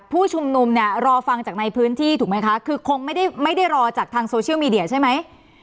ผู้ชุมนุมเนี่ยรอฟังจากในพื้นที่ถูกไหมคะคือคงไม่ได้ไม่ได้รอจากทางโซเชียลมีเดียใช่ไหม